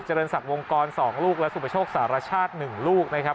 เรินศักดิ์วงกร๒ลูกและสุปโชคสารชาติ๑ลูกนะครับ